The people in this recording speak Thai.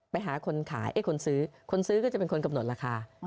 ไปหาคนขายคนซื้อคนซื้อก็จะเป็นคนกำหนดราคา